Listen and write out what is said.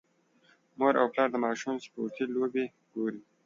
مور او پلار د ماشوم سپورتي لوبې ګوري.